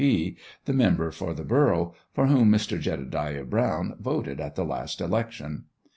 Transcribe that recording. P., the member for the borough, for whom Mr. Jedediah Brown voted at the last election.